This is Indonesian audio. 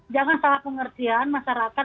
jangan salah pengertian masyarakat